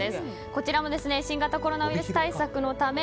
こちらも新型コロナウイルス対策のため